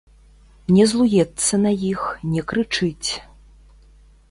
Не злуецца на іх, не крычыць.